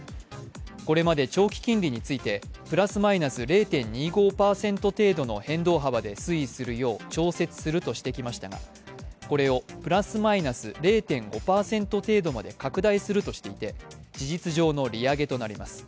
これまで長期金利について、プラスマイナス０．２５％程度の変動幅で推移するよう調節するとしてきましたが、これをプラスマイナス０．５％程度まで拡大するとしていて事実上の利上げとなります。